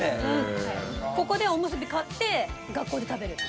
ここでおむすび買って学校で食べる。